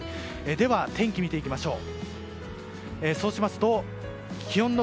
では天気を見ていきましょう。